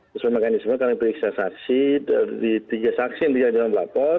pusul makanan disimul karena periksa saksi dari tiga saksi yang tidak jalan berlapor